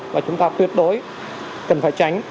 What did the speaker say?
và chúng ta tuyệt đối cần phải tránh